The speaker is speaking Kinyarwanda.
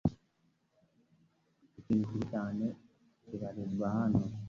Ikintu kibi cyane kibarizwa hano .